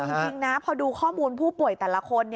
จริงนะพอดูข้อมูลผู้ป่วยแต่ละคน